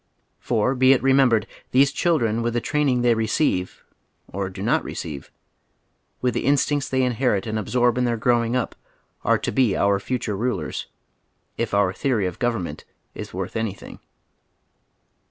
For, be it remem bered, these children with the training they receive — or do not receive— with the instincts they inherit and absorb in their growing up, are to be our future rnlers, if onr theory of government is worth anything.